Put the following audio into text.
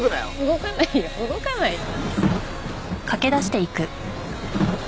動かないよ動かないよ。